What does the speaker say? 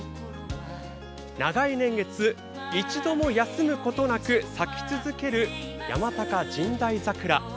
長い年月一度も休むことなく咲き続ける山高神代桜。